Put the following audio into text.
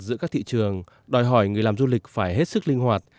giữa các thị trường đòi hỏi người làm du lịch phải hết sức linh hoạt